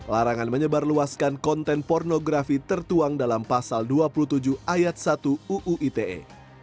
larangan menyebarluaskan konten pornografi tertuang dalam pasal dua puluh tujuh ayat satu uu ite